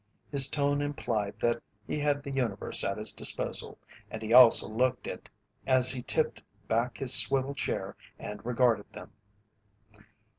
His tone implied that he had the universe at his disposal, and he also looked it as he tipped back his swivel chair and regarded them.